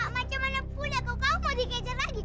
macam mana pula kau mau dikejar lagi